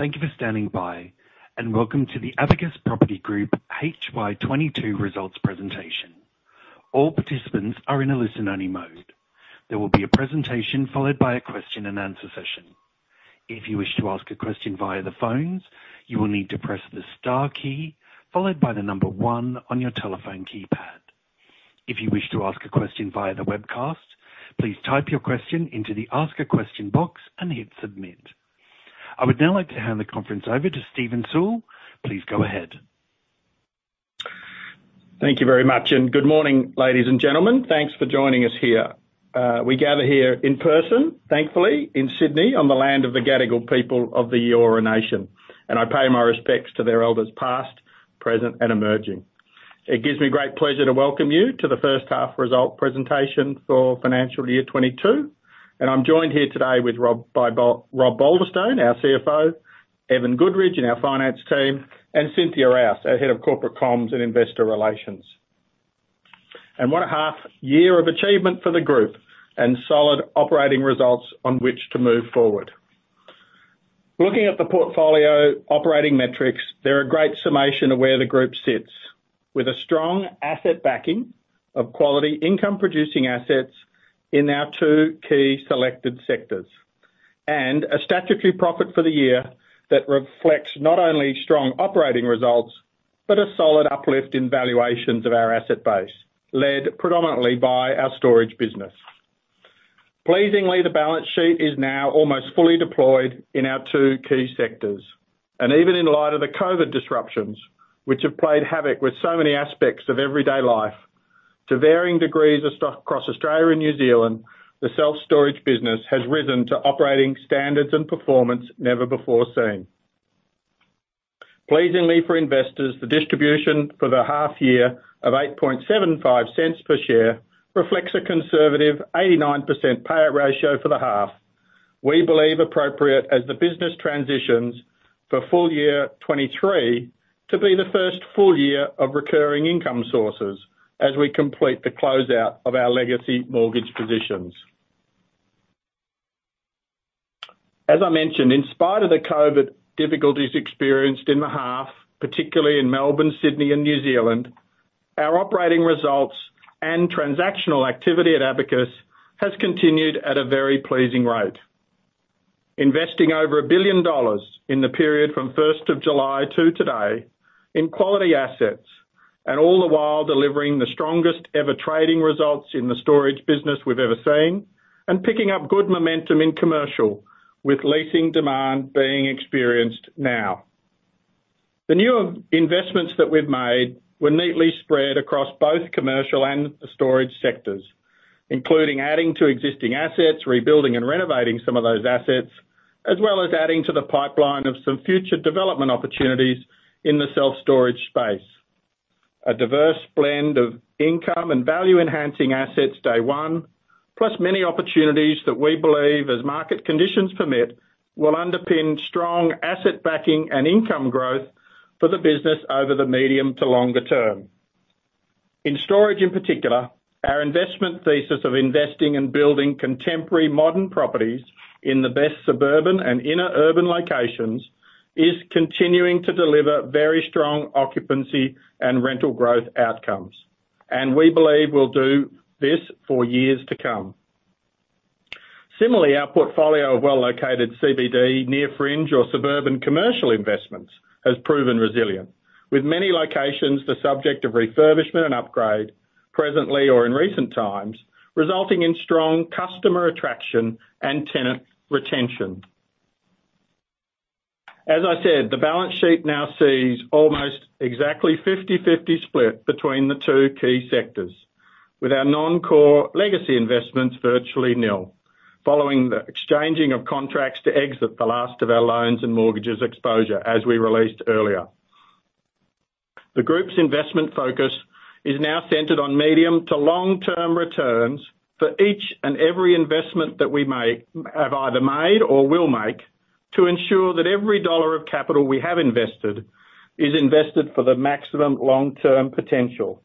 Thank you for standing by, and welcome to the Abacus Property Group HY 2022 results presentation. All participants are in a listen-only mode. There will be a presentation followed by a question-and-answer session. If you wish to ask a question via the phones, you will need to press the star key followed by the number 1 on your telephone keypad. If you wish to ask a question via the webcast, please type your question into the ask a question box and hit Submit. I would now like to hand the conference over to Steven Sewell. Please go ahead. Thank you very much, and good morning, ladies and gentlemen. Thanks for joining us here. We gather here in person, thankfully, in Sydney on the land of the Gadigal people of the Eora Nation, and I pay my respects to their elders past, present, and emerging. It gives me great pleasure to welcome you to the first half result presentation for financial year 2022, and I'm joined here today with Rob Baulderstone, our CFO, Evan Goodridge in our finance team, and Cynthia Rouse, our head of Corporate Comms and Investor Relations. What a half year of achievement for the group and solid operating results on which to move forward. Looking at the portfolio operating metrics, they're a great summation of where the group sits. With a strong asset backing of quality income producing assets in our two key selected sectors, and a statutory profit for the year that reflects not only strong operating results, but a solid uplift in valuations of our asset base, led predominantly by our storage business. Pleasingly, the balance sheet is now almost fully deployed in our two key sectors, and even in light of the COVID disruptions, which have played havoc with so many aspects of everyday life to varying degrees across Australia and New Zealand, the self-storage business has risen to operating standards and performance never before seen. Pleasingly for investors, the distribution for the half year of 0.0875 per share reflects a conservative 89% payout ratio for the half. We believe it appropriate as the business transitions for full year 2023 to be the first full year of recurring income sources as we complete the closeout of our legacy mortgage positions. As I mentioned, in spite of the COVID difficulties experienced in the half, particularly in Melbourne, Sydney, and New Zealand, our operating results and transactional activity at Abacus has continued at a very pleasing rate. Investing over 1 billion dollars in the period from first of July to today in quality assets and all the while delivering the strongest ever trading results in the storage business we've ever seen and picking up good momentum in commercial with leasing demand being experienced now. The new investments that we've made were neatly spread across both commercial and the storage sectors, including adding to existing assets, rebuilding and renovating some of those assets, as well as adding to the pipeline of some future development opportunities in the self-storage space. A diverse blend of income and value-enhancing assets from day one, plus many opportunities that we believe, as market conditions permit, will underpin strong asset backing and income growth for the business over the medium to longer term. In storage in particular, our investment thesis of investing and building contemporary modern properties in the best suburban and inner urban locations is continuing to deliver very strong occupancy and rental growth outcomes, and we believe will do this for years to come. Similarly, our portfolio of well-located CBD, near-fringe or suburban commercial investments has proven resilient. With many locations, the subject of refurbishment and upgrade presently or in recent times, resulting in strong customer attraction and tenant retention. As I said, the balance sheet now sees almost exactly 50/50 split between the two key sectors. With our non-core legacy investments virtually nil following the exchanging of contracts to exit the last of our loans and mortgages exposure, as we released earlier. The group's investment focus is now centered on medium to long-term returns for each and every investment that we have either made or will make, to ensure that every dollar of capital we have invested is invested for the maximum long-term potential.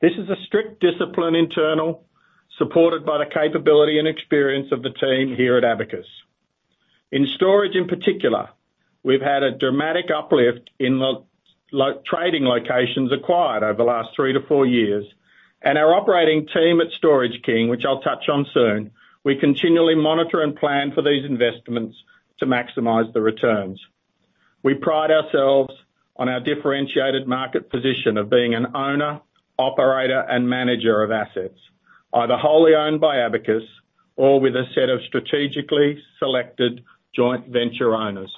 This is a strict discipline internal, supported by the capability and experience of the team here at Abacus. In storage, in particular, we've had a dramatic uplift in the trading locations acquired over the last 3-4 years, and our operating team at Storage King, which I'll touch on soon, we continually monitor and plan for these investments to maximize the returns. We pride ourselves on our differentiated market position of being an owner, operator, and manager of assets, either wholly owned by Abacus or with a set of strategically selected joint venture owners.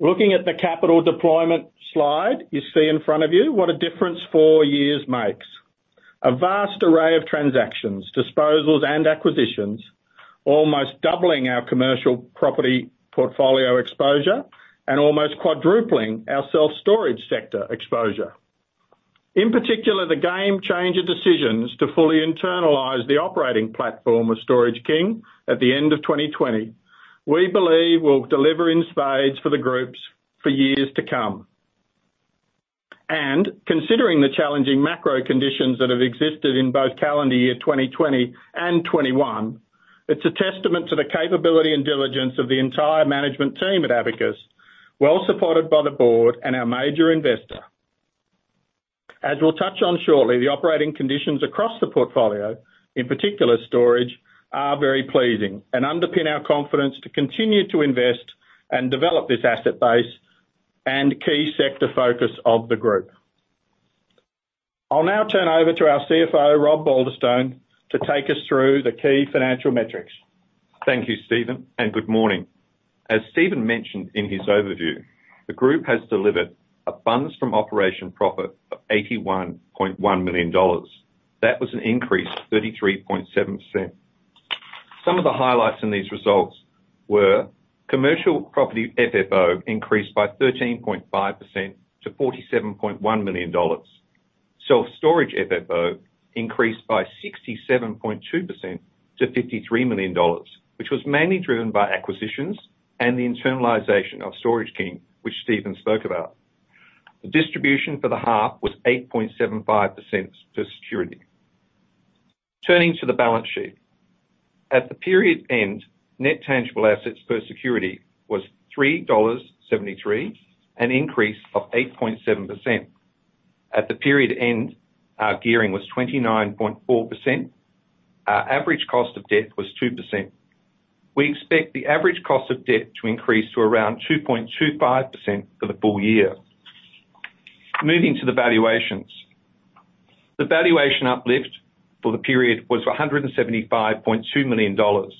Looking at the capital deployment slide, you see in front of you what a difference four years makes. A vast array of transactions, disposals and acquisitions, almost doubling our commercial property portfolio exposure and almost quadrupling our self-storage sector exposure. In particular, the game changer decisions to fully internalize the operating platform of Storage King at the end of 2020, we believe will deliver in spades for the groups for years to come. Considering the challenging macro conditions that have existed in both calendar year 2020 and 2021, it's a testament to the capability and diligence of the entire management team at Abacus, well supported by the board and our major investor. As we'll touch on shortly, the operating conditions across the portfolio, in particular storage, are very pleasing and underpin our confidence to continue to invest and develop this asset base and key sector focus of the group. I'll now turn over to our CFO, Rob Baulderstone, to take us through the key financial metrics. Thank you, Steven, and good morning. As Steven mentioned in his overview, the group has delivered a funds from operations profit of AUD 81.1 million. That was an increase of 33.7%. Some of the highlights in these results were commercial property FFO increased by 13.5% to 47.1 million dollars. Self-storage FFO increased by 67.2% to 53 million dollars, which was mainly driven by acquisitions and the internalization of Storage King, which Steven spoke about. The distribution for the half was 8.75% per security. Turning to the balance sheet. At the period end, net tangible assets per security was 3.73 dollars, an increase of 8.7%. At the period end, our gearing was 29.4%. Our average cost of debt was 2%. We expect the average cost of debt to increase to around 2.25% for the full year. Moving to the valuations. The valuation uplift for the period was 175.2 million dollars.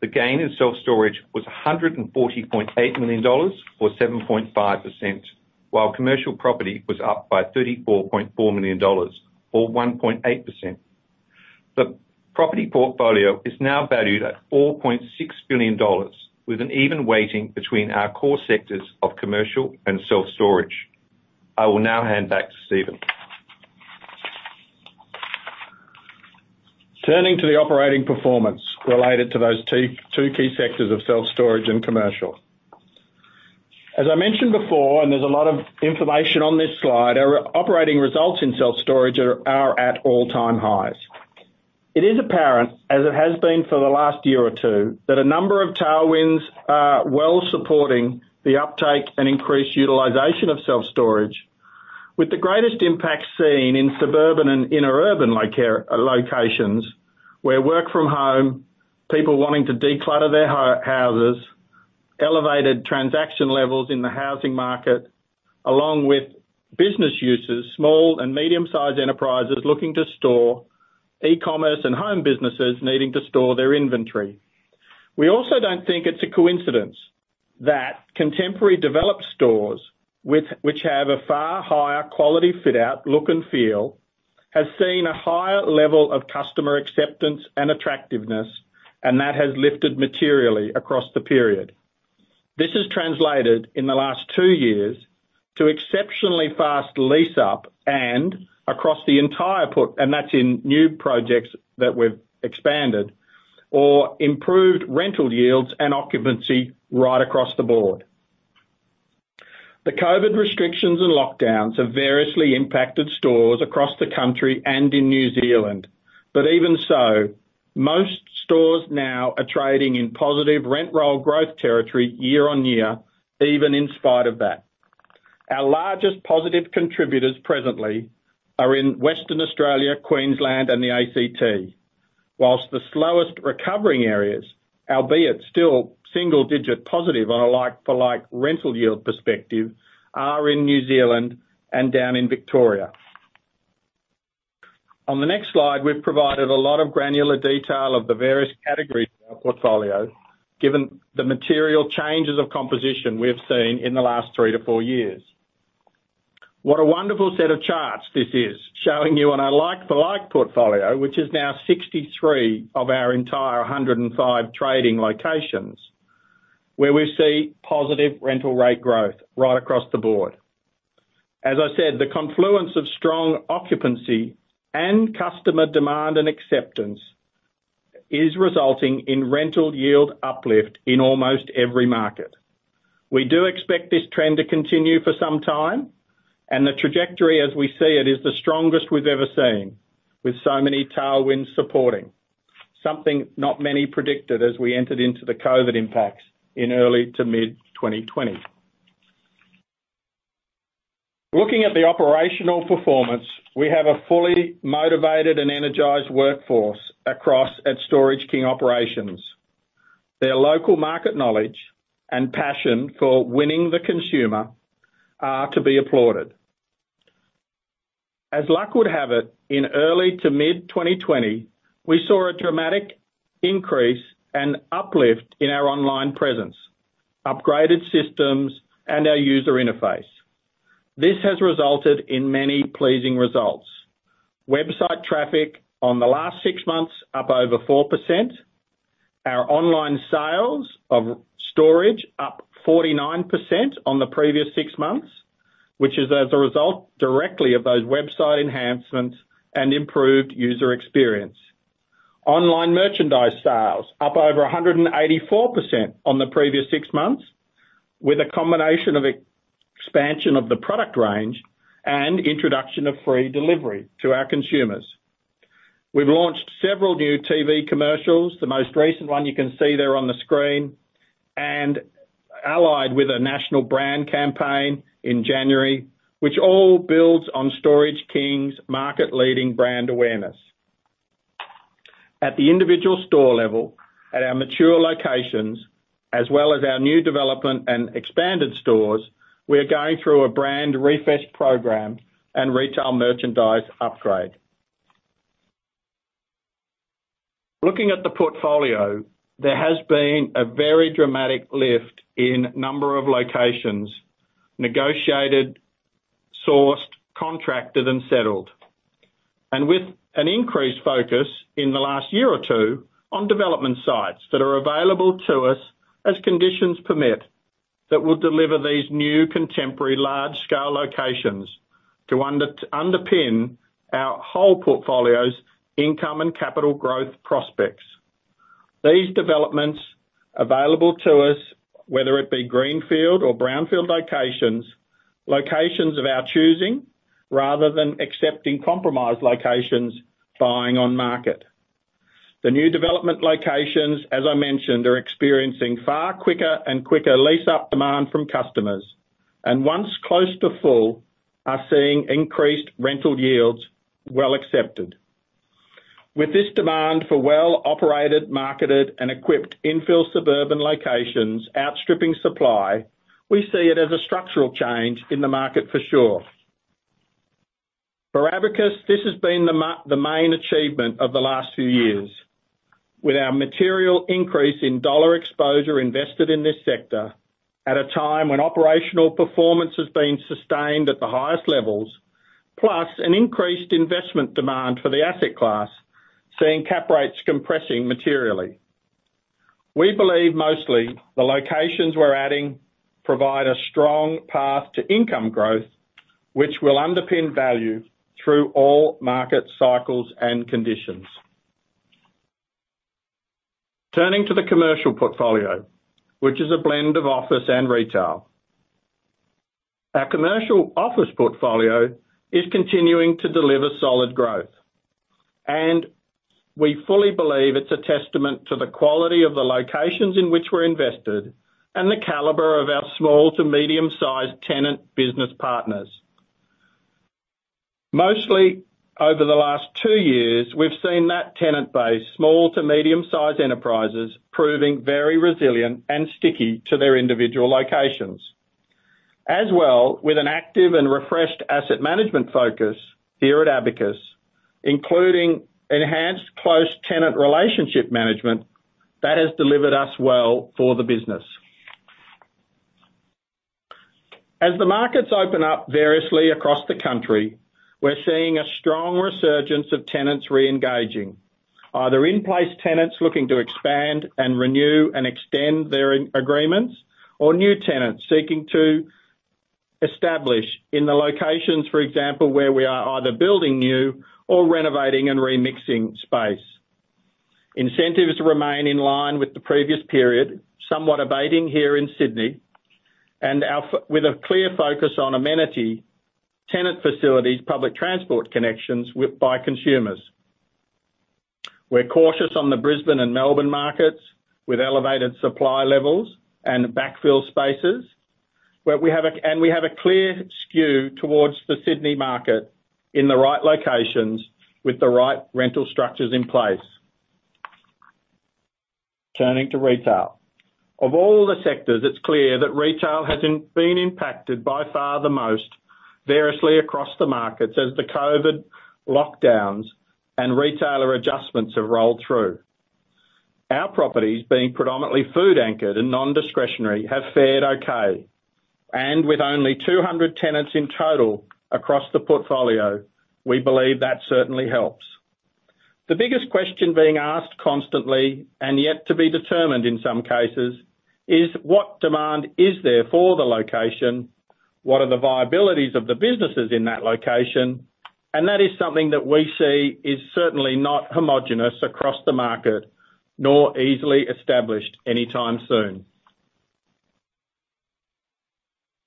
The gain in self-storage was 140.8 million dollars, or 7.5%, while commercial property was up by 34.4 million dollars, or 1.8%. The property portfolio is now valued at 4.6 billion dollars, with an even weighting between our core sectors of commercial and self-storage. I will now hand back to Steven. Turning to the operating performance related to those two key sectors of self-storage and commercial. As I mentioned before, and there's a lot of information on this slide, our operating results in self-storage are at all-time highs. It is apparent, as it has been for the last year or two, that a number of tailwinds are well supporting the uptake and increased utilization of self-storage, with the greatest impact seen in suburban and inner urban locations, where work from home, people wanting to declutter their houses, elevated transaction levels in the housing market, along with business users, small and medium-sized enterprises looking to store e-commerce and home businesses needing to store their inventory. We also don't think it's a coincidence that contemporary developed stores which have a far higher quality fit-out, look, and feel, have seen a higher level of customer acceptance and attractiveness, and that has lifted materially across the period. This has translated in the last two years to exceptionally fast lease-up and across the entire portfolio, and that's in new projects that we've expanded or improved rental yields and occupancy right across the board. The COVID restrictions and lockdowns have variously impacted stores across the country and in New Zealand. Even so, most stores now are trading in positive rent roll growth territory year-on-year, even in spite of that. Our largest positive contributors presently are in Western Australia, Queensland, and the ACT. While the slowest recovering areas, albeit still single-digit positive on a like-for-like rental yield perspective, are in New Zealand and down in Victoria. On the next slide, we've provided a lot of granular detail of the various categories of our portfolio, given the material changes of composition we have seen in the last 3-4 years. What a wonderful set of charts this is, showing you on a like-for-like portfolio, which is now 63 of our entire 105 trading locations, where we see positive rental rate growth right across the board. As I said, the confluence of strong occupancy and customer demand and acceptance is resulting in rental yield uplift in almost every market. We do expect this trend to continue for some time, and the trajectory as we see it is the strongest we've ever seen with so many tailwinds supporting. Something not many predicted as we entered into the COVID impacts in early to mid-2020. Looking at the operational performance, we have a fully motivated and energized workforce across our Storage King operations. Their local market knowledge and passion for winning the consumer are to be applauded. As luck would have it, in early to mid-2020, we saw a dramatic increase and uplift in our online presence, upgraded systems, and our user interface. This has resulted in many pleasing results. Website traffic in the last six months up over 4%. Our online sales of storage up 49% on the previous six months, which is as a result directly of those website enhancements and improved user experience. Online merchandise sales up over 184% on the previous six months, with a combination of expansion of the product range and introduction of free delivery to our consumers. We've launched several new TV commercials, the most recent one you can see there on the screen, and allied with a national brand campaign in January, which all builds on Storage King's market-leading brand awareness. At the individual store level, at our mature locations, as well as our new development and expanded stores, we are going through a brand refresh program and retail merchandise upgrade. Looking at the portfolio, there has been a very dramatic lift in number of locations negotiated, sourced, contracted, and settled. With an increased focus in the last year or two on development sites that are available to us as conditions permit, that will deliver these new contemporary large-scale locations to underpin our whole portfolio's income and capital growth prospects. These developments available to us, whether it be greenfield or brownfield locations of our choosing rather than accepting compromised locations buying on market. The new development locations, as I mentioned, are experiencing far quicker and quicker lease-up demand from customers. Once close to full, are seeing increased rental yields well accepted. With this demand for well-operated, marketed, and equipped infill suburban locations outstripping supply, we see it as a structural change in the market for sure. For Abacus, this has been the main achievement of the last few years. With our material increase in dollar exposure invested in this sector at a time when operational performance has been sustained at the highest levels, plus an increased investment demand for the asset class, seeing cap rates compressing materially. We believe mostly the locations we're adding provide a strong path to income growth, which will underpin value through all market cycles and conditions. Turning to the commercial portfolio, which is a blend of office and retail. Our commercial office portfolio is continuing to deliver solid growth, and we fully believe it's a testament to the quality of the locations in which we're invested and the caliber of our small to medium-sized tenant business partners. Mostly, over the last two years, we've seen that tenant base, small to medium-sized enterprises, proving very resilient and sticky to their individual locations. As well, with an active and refreshed asset management focus here at Abacus, including enhanced close tenant relationship management, that has delivered us well for the business. As the markets open up variously across the country, we're seeing a strong resurgence of tenants reengaging. Either in place tenants looking to expand and renew and extend their agreements, or new tenants seeking to establish in the locations, for example, where we are either building new or renovating and remixing space. Incentives remain in line with the previous period, somewhat abating here in Sydney, and with a clear focus on amenity, tenant facilities, public transport connections by consumers. We're cautious on the Brisbane and Melbourne markets with elevated supply levels and backfill spaces, where we have a clear skew towards the Sydney market in the right locations with the right rental structures in place. Turning to retail. Of all the sectors, it's clear that retail has been impacted by far the most variously across the markets as the COVID lockdowns and retailer adjustments have rolled through. Our properties, being predominantly food-anchored and nondiscretionary, have fared okay. With only 200 tenants in total across the portfolio, we believe that certainly helps. The biggest question being asked constantly and yet to be determined in some cases is what demand is there for the location? What are the viabilities of the businesses in that location? That is something that we see is certainly not homogenous across the market, nor easily established anytime soon.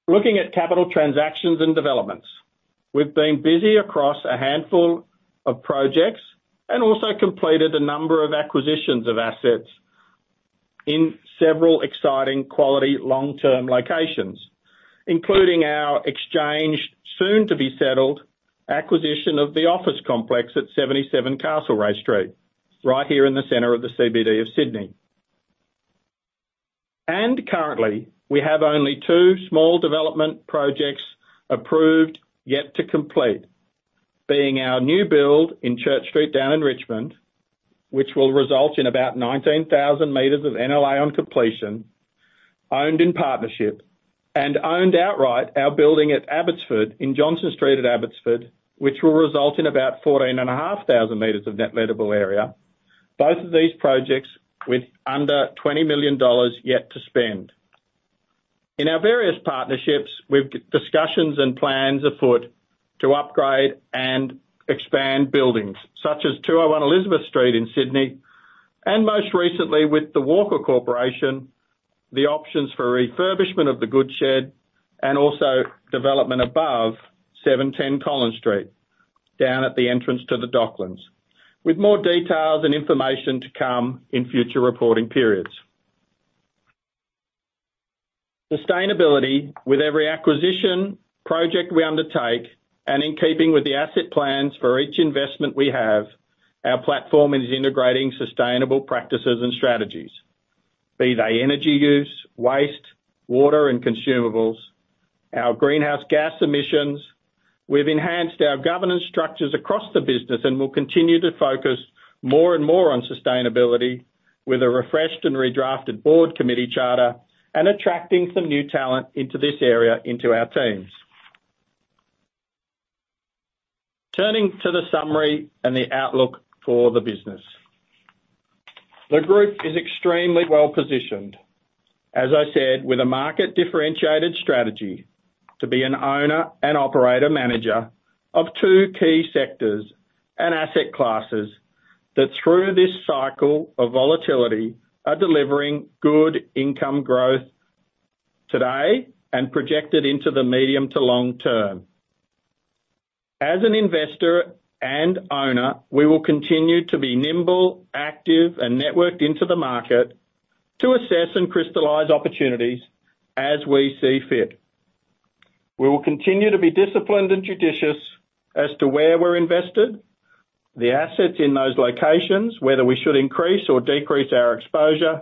Looking at capital transactions and developments. We've been busy across a handful of projects and also completed a number of acquisitions of assets in several exciting quality long-term locations. Including our exchange, soon to be settled, acquisition of the office complex at 77 Castlereagh Street, right here in the center of the CBD of Sydney. Currently, we have only two small development projects approved yet to complete, being our new build in Church Street down in Richmond, which will result in about 19,000 sq m of NLA on completion, owned in partnership. Owned outright, our building at Abbotsford in Johnston Street at Abbotsford, which will result in about 14,500 sq m of net lettable area. Both of these projects with under 20 million dollars yet to spend. In our various partnerships, we've discussions and plans afoot to upgrade and expand buildings such as 201 Elizabeth Street in Sydney, and most recently with The Walker Corporation, the options for refurbishment of the Goods Shed and also development above 710 Collins Street, down at the entrance to the Docklands. With more details and information to come in future reporting periods. Sustainability. With every acquisition project we undertake, and in keeping with the asset plans for each investment we have, our platform is integrating sustainable practices and strategies, be they energy use, waste, water and consumables, our greenhouse gas emissions. We've enhanced our governance structures across the business and will continue to focus more and more on sustainability with a refreshed and redrafted board committee charter and attracting some new talent into this area into our teams. Turning to the summary and the outlook for the business. The group is extremely well-positioned. As I said, with a market differentiated strategy to be an owner and operator manager of two key sectors and asset classes that through this cycle of volatility, are delivering good income growth today and projected into the medium to long term. As an investor and owner, we will continue to be nimble, active and networked into the market to assess and crystallize opportunities as we see fit. We will continue to be disciplined and judicious as to where we're invested, the assets in those locations, whether we should increase or decrease our exposure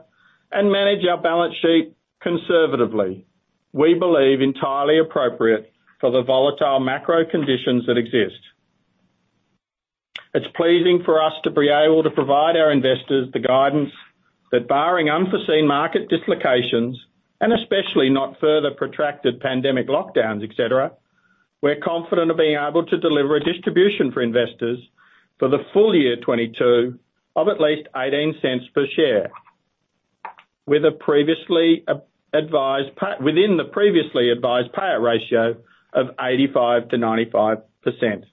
and manage our balance sheet conservatively, we believe entirely appropriate for the volatile macro conditions that exist. It's pleasing for us to be able to provide our investors the guidance that barring unforeseen market dislocations, and especially not further protracted pandemic lockdowns, et cetera, we're confident of being able to deliver a distribution for investors for the full year 2022 of at least 0.18 per share, with a previously advised payout ratio of 85%-95%.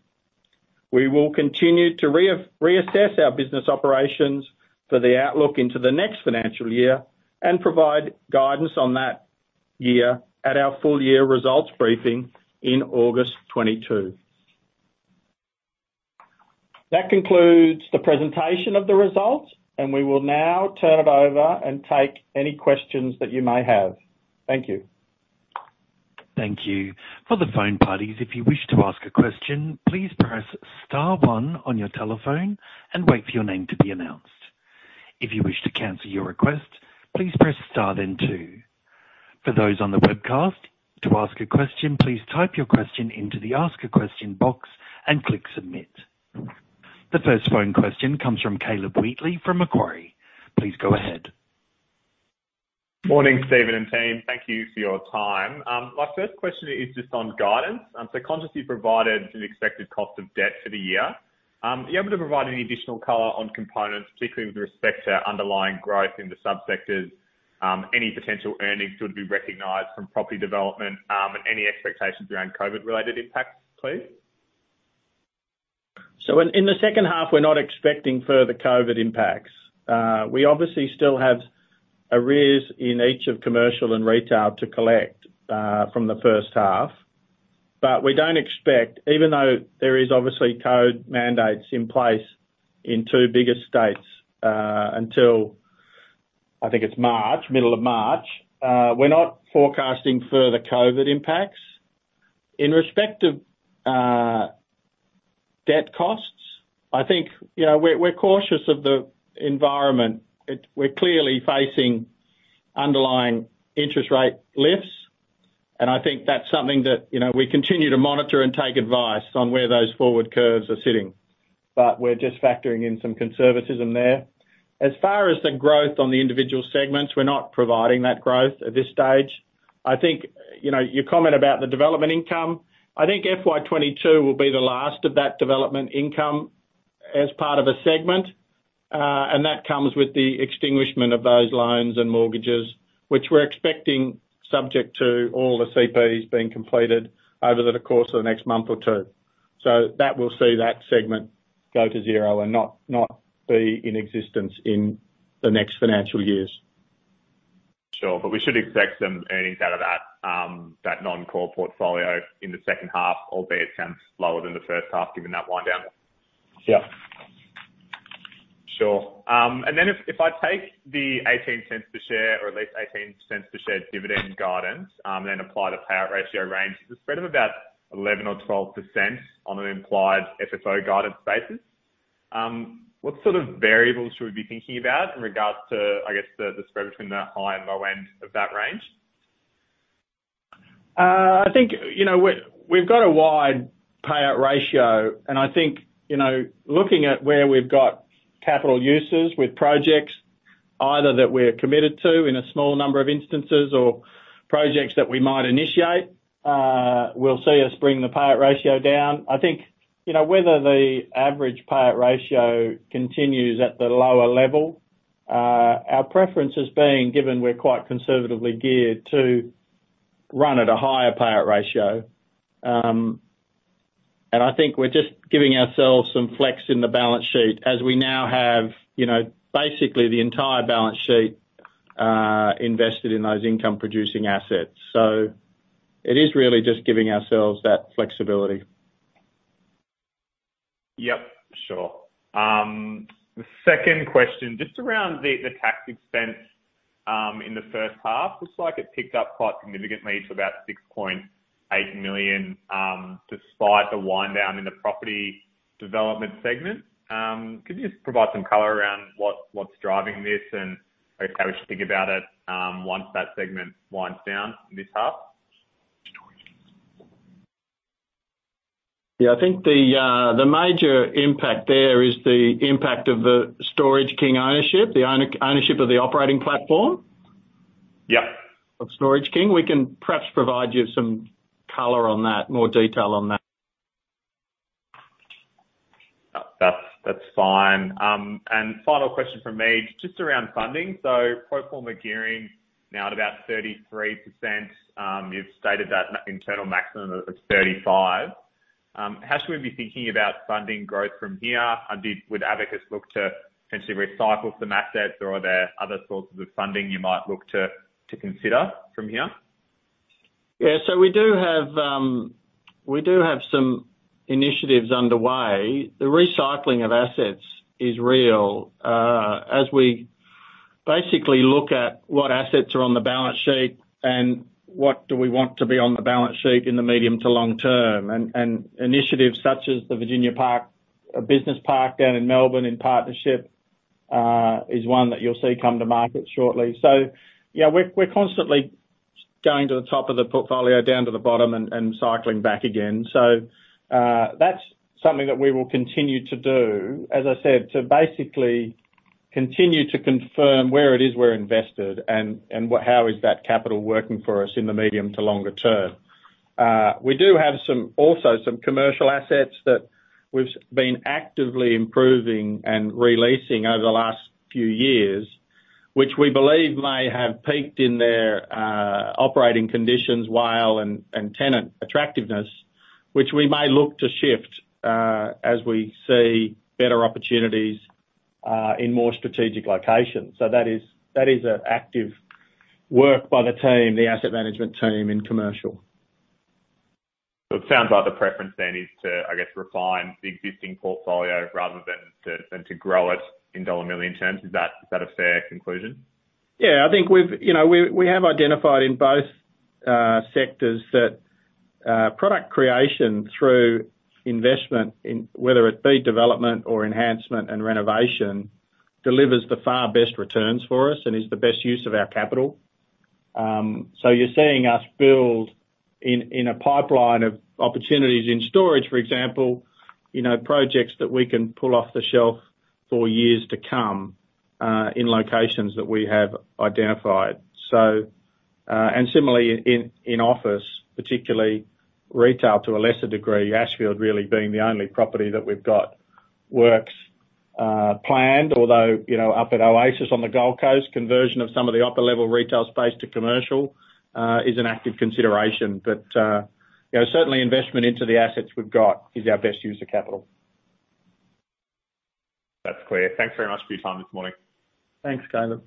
We will continue to reassess our business operations for the outlook into the next financial year and provide guidance on that year at our full year results briefing in August 2022. That concludes the presentation of the results, and we will now turn it over and take any questions that you may have. Thank you. Thank you. For the phone participants, if you wish to ask a question, please press star one on your telephone and wait for your name to be announced. If you wish to cancel your request, please press star then two. For those on the webcast, to ask a question, please type your question into the Ask a Question box and click Submit. The first phone question comes from Callum Bramah from Macquarie. Please go ahead. Morning, Steven and team. Thank you for your time. My first question is just on guidance. You consciously provided an expected cost of debt for the year. Are you able to provide any additional color on components, particularly with respect to underlying growth in the subsectors, any potential earnings that would be recognized from property development, and any expectations around COVID-related impacts, please? In the second half, we're not expecting further COVID impacts. We obviously still have arrears in each of commercial and retail to collect from the first half. We don't expect, even though there is obviously COVID mandates in place in two bigger states, until I think it's March, middle of March, we're not forecasting further COVID impacts. In respect of debt costs, I think, you know, we're cautious of the environment. We're clearly facing underlying interest rate lifts, and I think that's something that, you know, we continue to monitor and take advice on where those forward curves are sitting. We're just factoring in some conservatism there. As far as the growth on the individual segments, we're not providing that growth at this stage. I think, you know, your comment about the development income, I think FY 2022 will be the last of that development income as part of a segment. That comes with the extinguishment of those loans and mortgages, which we're expecting subject to all the CPs being completed over the course of the next month or two. That will see that segment go to zero and not be in existence in the next financial years. Sure. We should expect some earnings out of that non-core portfolio in the second half, albeit lower than the first half, given that wind down. Yeah. Sure. If I take the 0.18 per share or at least 0.18 per share dividend guidance, and apply the payout ratio range at a spread of about 11% or 12% on an implied FFO guidance basis, what sort of variables should we be thinking about in regards to, I guess, the spread between the high and low end of that range? I think, you know, we've got a wide payout ratio, and I think, you know, looking at where we've got capital uses with projects either that we're committed to in a small number of instances or projects that we might initiate, we'll see us bring the payout ratio down. I think, you know, whether the average payout ratio continues at the lower level, our preference is being, given we're quite conservatively geared to run at a higher payout ratio. I think we're just giving ourselves some flex in the balance sheet as we now have, you know, basically the entire balance sheet, invested in those income-producing assets. It is really just giving ourselves that flexibility. Yep, sure. The second question, just around the tax expense in the first half. Looks like it picked up quite significantly to about 6.8 million, despite the wind down in the property development segment. Could you just provide some color around what's driving this and okay, we should think about it once that segment winds down this half? Yeah, I think the major impact there is the impact of the Storage King ownership of the operating platform. Yeah of Storage King. We can perhaps provide you some color on that, more detail on that. That's fine. Final question from me, just around funding. Pro forma gearing now at about 33%. You've stated that internal maximum of 35%. How should we be thinking about funding growth from here? Would Abacus look to potentially recycle some assets, or are there other sources of funding you might look to consider from here? Yeah. We do have some initiatives underway. The recycling of assets is real. As we basically look at what assets are on the balance sheet and what do we want to be on the balance sheet in the medium to long term. Initiatives such as the Virginia Park Business Park down in Melbourne in partnership is one that you'll see come to market shortly. Yeah, we're constantly going to the top of the portfolio down to the bottom and cycling back again. That's something that we will continue to do, as I said, to basically continue to confirm where it is we're invested and how is that capital working for us in the medium to longer term. We do have some, also some commercial assets that we've been actively improving and releasing over the last few years, which we believe may have peaked in their operating conditions and tenant attractiveness, which we may look to shift as we see better opportunities in more strategic locations. That is an active work by the team, the asset management team in commercial. It sounds like the preference then is to, I guess, refine the existing portfolio rather than to grow it in dollar million terms. Is that a fair conclusion? I think we have identified in both sectors that product creation through investment in, whether it be development or enhancement and renovation, delivers the far best returns for us and is the best use of our capital. You're seeing us build in a pipeline of opportunities in storage, for example, you know, projects that we can pull off the shelf for years to come in locations that we have identified. And similarly in office, particularly retail to a lesser degree, Ashfield really being the only property that we've got works planned. Although, you know, up at Oasis on the Gold Coast, conversion of some of the upper-level retail space to commercial is an active consideration. You know, certainly investment into the assets we've got is our best use of capital. That's clear. Thanks very much for your time this morning. Thanks, Callum.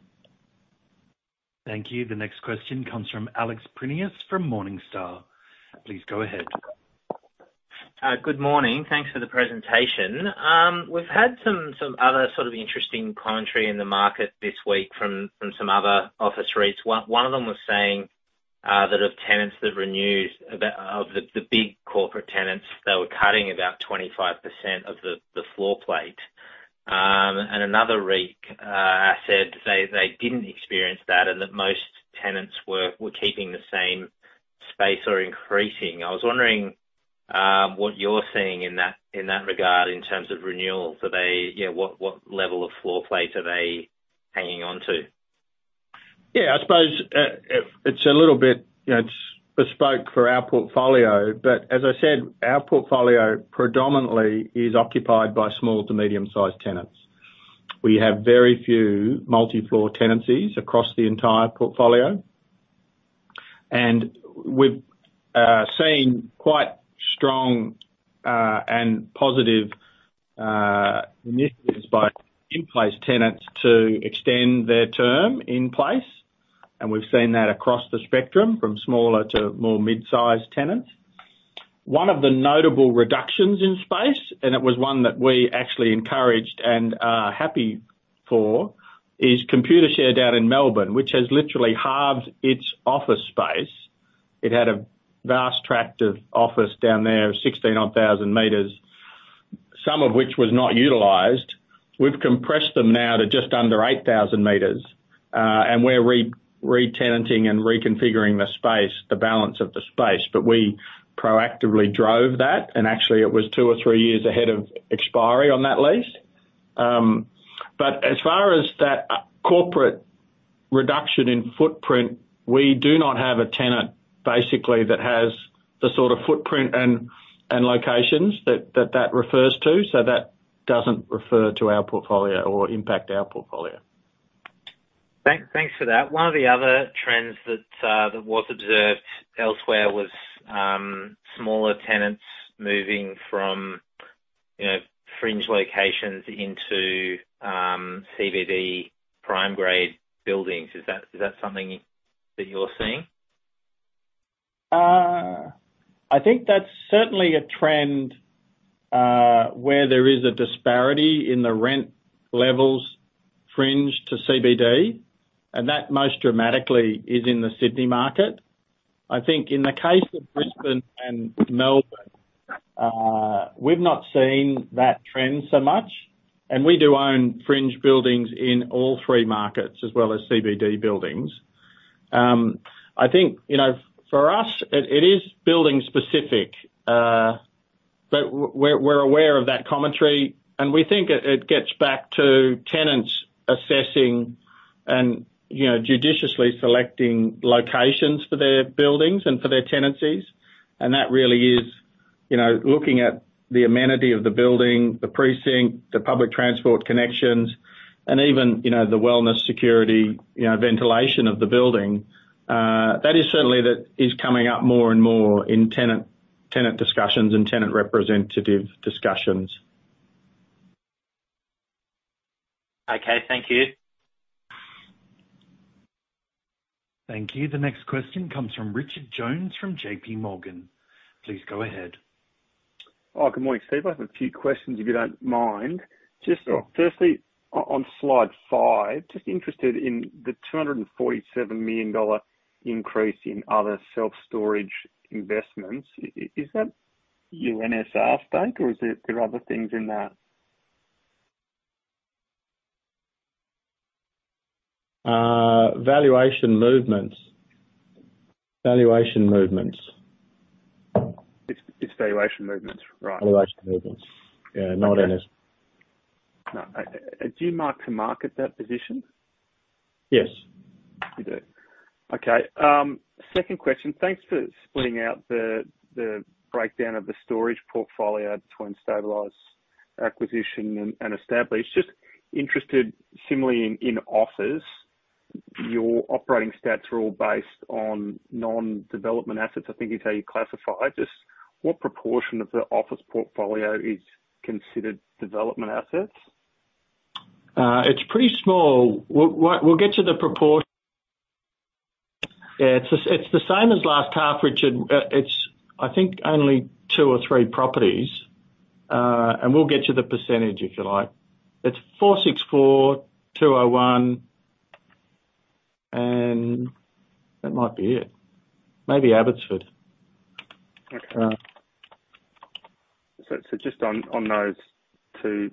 Thank you. The next question comes from Alex Prineas from Morningstar. Please go ahead. Good morning. Thanks for the presentation. We've had some other sort of interesting commentary in the market this week from some other office REITs. One of them was saying that about 25% of the big corporate tenants that renewed were cutting about 25% of the floor plate. Another REIT asset, they didn't experience that and that most tenants were keeping the same space or increasing. I was wondering what you're seeing in that regard in terms of renewal. They, you know, what level of floor plate are they hanging on to? Yeah, I suppose, it's a little bit, you know, it's bespoke for our portfolio. As I said, our portfolio predominantly is occupied by small to medium-sized tenants. We have very few multi-floor tenancies across the entire portfolio. We've seen quite strong and positive initiatives by in-place tenants to extend their term in place. We've seen that across the spectrum from smaller to more mid-sized tenants. One of the notable reductions in space, and it was one that we actually encouraged and are happy for, is Computershare down in Melbourne, which has literally halved its office space. It had a vast tract of office down there, 16,000 sq m, some of which was not utilized. We've compressed them now to just under 8,000 sq m, and we're re-tenanting and reconfiguring the space, the balance of the space. We proactively drove that, and actually, it was two or three years ahead of expiry on that lease. As far as that corporate reduction in footprint, we do not have a tenant, basically, that has the sort of footprint and locations that refers to. That doesn't refer to our portfolio or impact our portfolio. Thanks for that. One of the other trends that was observed elsewhere was smaller tenants moving from, you know, fringe locations into CBD prime grade buildings. Is that something that you're seeing? I think that's certainly a trend, where there is a disparity in the rent levels fringe to CBD, and that most dramatically is in the Sydney market. I think in the case of Brisbane and Melbourne, we've not seen that trend so much, and we do own fringe buildings in all three markets as well as CBD buildings. I think, you know, for us it is building specific, but we're aware of that commentary and we think it gets back to tenants assessing and, you know, judiciously selecting locations for their buildings and for their tenancies. That really is, you know, looking at the amenity of the building, the precinct, the public transport connections, and even, you know, the wellness security, you know, ventilation of the building. That is certainly coming up more and more in tenant discussions and tenant representative discussions. Okay. Thank you. Thank you. The next question comes from Richard Jones from J.P. Morgan. Please go ahead. Oh, good morning, Steven. I have a few questions, if you don't mind. Sure. Just firstly, on slide 5, just interested in the 247 million dollar increase in other self-storage investments. Is that your NSR spend, or are there other things in that? Valuation movements. It's valuation movements, right? Valuation movements. Yeah. Not NSR. No. Do you mark-to-market that position? Yes. You do. Okay. Second question. Thanks for splitting out the breakdown of the storage portfolio between stabilized acquisition and established. Just interested similarly in office, your operating stats are all based on non-development assets, I think is how you classify. Just what proportion of the office portfolio is considered development assets? It's pretty small. We'll get to the proportion. Yeah. It's the same as last half, Richard. It's, I think, only two or three properties. And we'll get you the percentage if you like. It's 464, 201, and that might be it. Maybe Abbotsford. Just on those two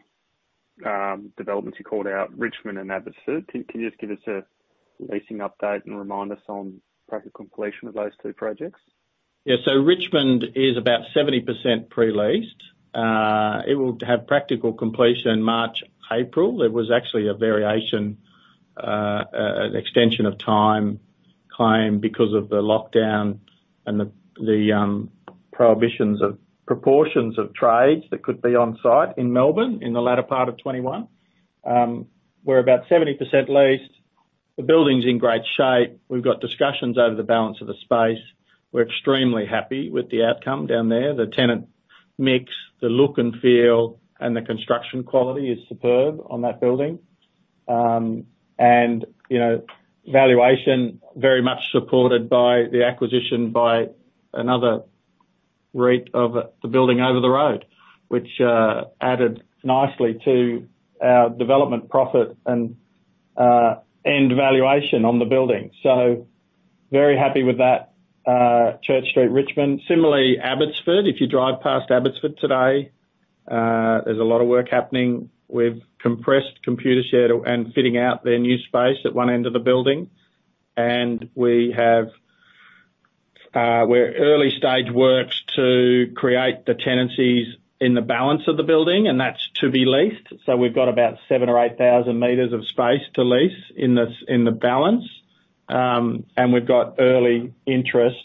developments you called out, Richmond and Abbotsford, can you just give us a leasing update and remind us on practical completion of those two projects? Yeah. Richmond is about 70% pre-leased. It will have practical completion March, April. There was actually a variation, an extension of time claim because of the lockdown and the prohibitions on the proportion of trades that could be on site in Melbourne in the latter part of 2021. We're about 70% leased. The building's in great shape. We've got discussions over the balance of the space. We're extremely happy with the outcome down there. The tenant mix, the look and feel, and the construction quality is superb on that building. You know, valuation very much supported by the acquisition by another REIT of the building over the road, which added nicely to our development profit and end valuation on the building. Very happy with that, Church Street Richmond. Similarly, Abbotsford, if you drive past Abbotsford today, there's a lot of work happening. We've commenced Computershare and fitting out their new space at one end of the building. We have early stage works to create the tenancies in the balance of the building, and that's to be leased. We've got about 7,000 m or 8,000 m of space to lease in the balance. And we've got early interest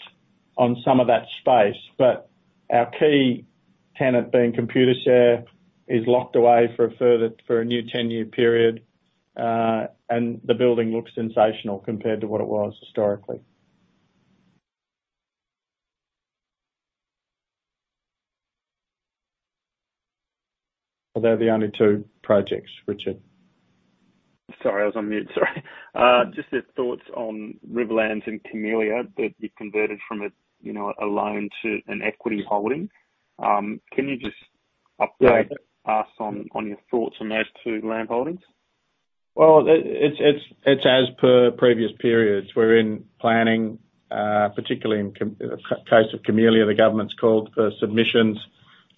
on some of that space. But our key tenant being Computershare is locked away for a new 10-year period, and the building looks sensational compared to what it was historically. Well, they're the only two projects, Richard. Sorry, I was on mute. Sorry. Just the thoughts on Riverlands and Camellia that you converted from a, you know, a loan to an equity holding. Can you just- Yeah. Update us on your thoughts on those two landholdings? Well, it's as per previous periods. We're in planning, particularly in case of Camellia, the government's called for submissions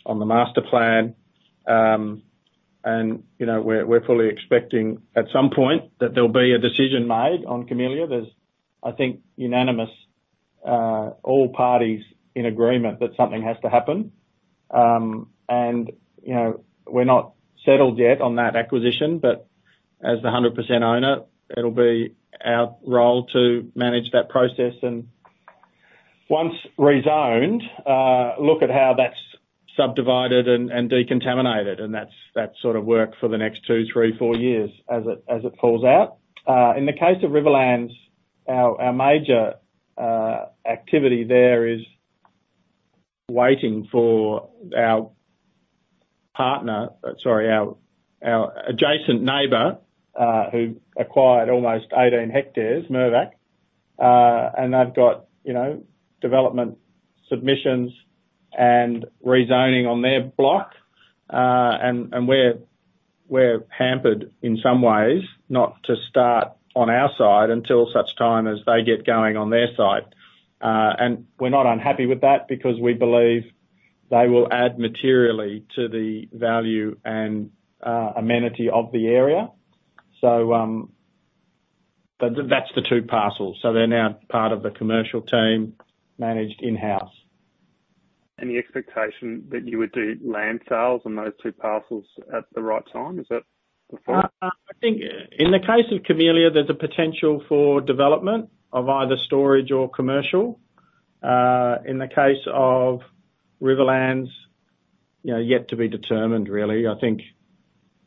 on the master plan. You know, we're fully expecting at some point that there'll be a decision made on Camellia. There's, I think, unanimous, all parties in agreement that something has to happen. You know, we're not settled yet on that acquisition, but as the 100% owner, it'll be our role to manage that process. Once rezoned, look at how that's subdivided and decontaminated, and that's that sort of work for the next 2, 3, 4 years as it falls out. In the case of Riverlands, our major activity there is waiting for our adjacent neighbor, who acquired almost 18 hectares, Mirvac. They've got, you know, development submissions and rezoning on their block. We're hampered in some ways not to start on our side until such time as they get going on their side. We're not unhappy with that because we believe they will add materially to the value and amenity of the area. That's the two parcels. They're now part of the commercial team managed in-house. Any expectation that you would do land sales on those two parcels at the right time? Is that the thought? I think in the case of Camellia, there's a potential for development of either storage or commercial. In the case of Riverlands, you know, yet to be determined really. I think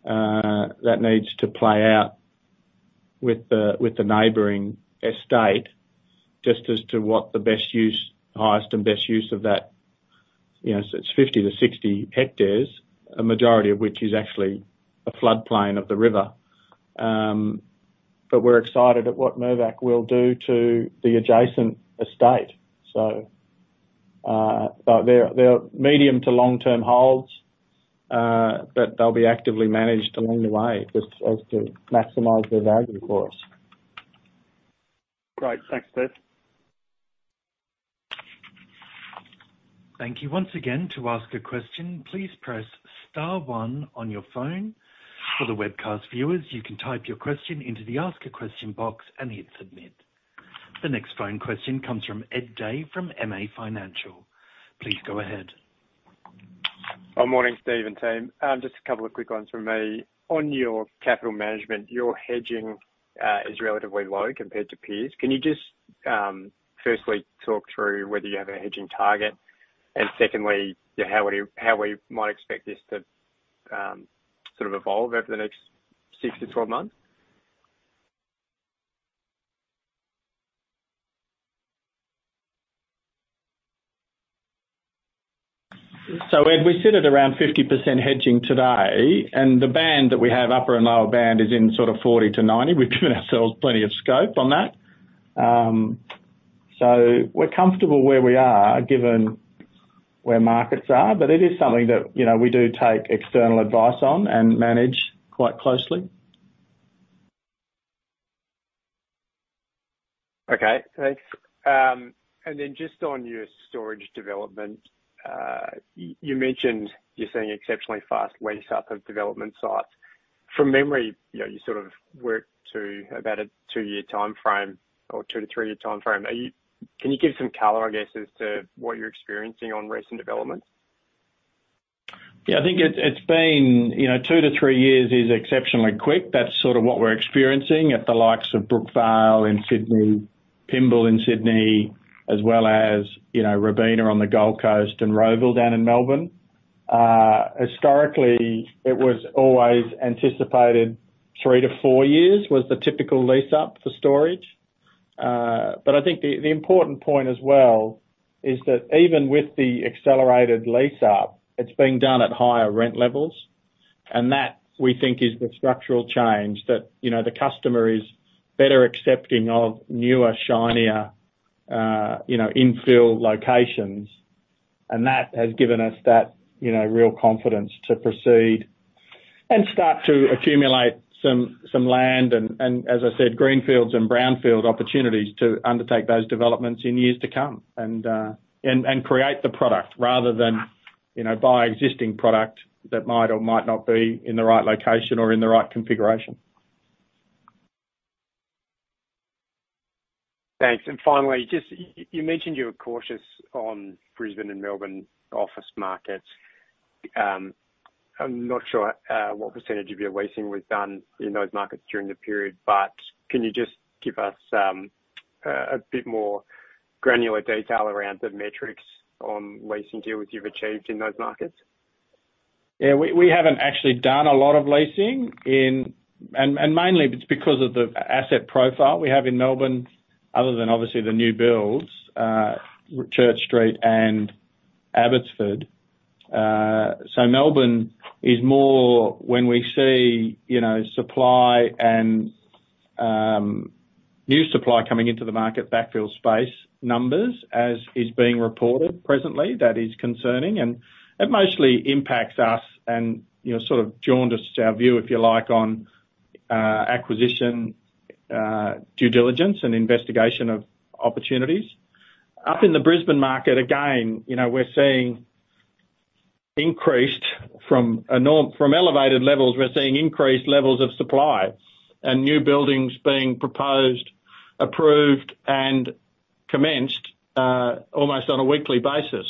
that needs to play out with the neighboring estate, just as to what the best use, highest and best use of that, you know, it's 50-60 hectares, a majority of which is actually a floodplain of the river. But we're excited at what Mirvac will do to the adjacent estate. But they're medium- to long-term holds, but they'll be actively managed along the way as to maximize their value for us. Great. Thanks, Steven. Thank you once again. To ask a question, please press star one on your phone. For the webcast viewers, you can type your question into the ask a question box and hit Submit. The next phone question comes from Edward Day from MA Financial. Please go ahead. Good morning, Steve and team. Just a couple of quick ones from me. On your capital management, your hedging is relatively low compared to peers. Can you just firstly talk through whether you have a hedging target? Secondly, how we might expect this to sort of evolve over the next 6-12 months? Ed, we sit at around 50% hedging today, and the band that we have, upper and lower band, is in sort of 40%-90%. We've given ourselves plenty of scope on that. We're comfortable where we are given where markets are, but it is something that, you know, we do take external advice on and manage quite closely. Okay. Thanks. Just on your storage development, you mentioned you're seeing exceptionally fast lease-up of development sites. From memory, you know, you sort of work to about a two-year timeframe or two to three-year timeframe. Can you give some color, I guess, as to what you're experiencing on recent developments? Yeah, I think it's been, you know, 2-3 years is exceptionally quick. That's sort of what we're experiencing at the likes of Brookvale in Sydney, Pymble in Sydney, as well as, you know, Robina on the Gold Coast and Rowville down in Melbourne. Historically, it was always anticipated 3-4 years was the typical lease-up for storage. But I think the important point as well is that even with the accelerated lease-up, it's being done at higher rent levels, and that, we think, is the structural change that, you know, the customer is better accepting of newer, shinier, you know, infill locations. That has given us that, you know, real confidence to proceed and start to accumulate some land and, as I said, greenfield and brownfield opportunities to undertake those developments in years to come and create the product rather than, you know, buy existing product that might or might not be in the right location or in the right configuration. Thanks. Finally, just you mentioned you were cautious on Brisbane and Melbourne office markets. I'm not sure what percentage of your leasing was done in those markets during the period, but can you just give us a bit more granular detail around the metrics on leasing deals you've achieved in those markets? We haven't actually done a lot of leasing in. Mainly it's because of the asset profile we have in Melbourne, other than obviously the new builds, Church Street and Abbotsford. Melbourne is more when we see, you know, supply and new supply coming into the market, backfill space numbers as is being reported presently. That is concerning. It mostly impacts us and, you know, sort of jaundiced our view, if you like, on acquisition, due diligence and investigation of opportunities. Up in the Brisbane market, again, you know, we're seeing increased from elevated levels, we're seeing increased levels of supply and new buildings being proposed, approved, and commenced, almost on a weekly basis.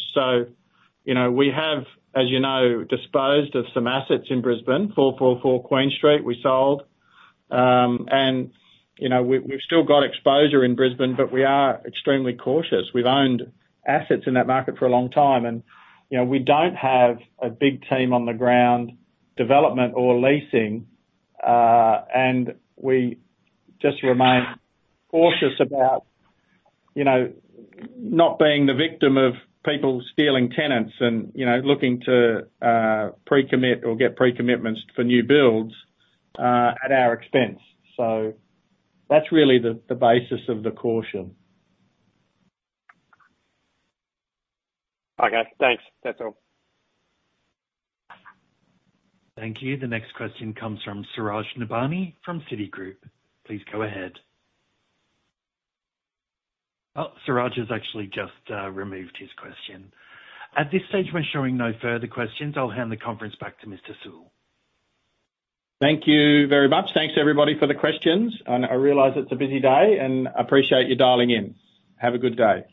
You know, we have, as you know, disposed of some assets in Brisbane. 444 Queen Street, we sold. You know, we've still got exposure in Brisbane, but we are extremely cautious. We've owned assets in that market for a long time and, you know, we don't have a big team on the ground, development or leasing, and we just remain cautious about, you know, not being the victim of people stealing tenants and, you know, looking to pre-commit or get pre-commitments for new builds at our expense. So that's really the basis of the caution. Okay. Thanks. That's all. Thank you. The next question comes from Suraj Nebhani from Citigroup. Please go ahead. Oh, Suraj has actually just removed his question. At this stage, we're showing no further questions. I'll hand the conference back to Mr. Sewell. Thank you very much. Thanks, everybody for the questions, and I realize it's a busy day and appreciate you dialing in. Have a good day.